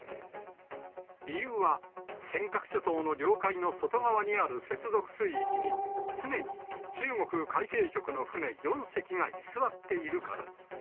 理由は尖閣諸島の領海の外側にある接続水域に、常に中国海警局の船４隻が居座っているから。